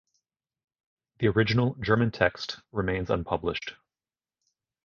The original German text remains unpublished.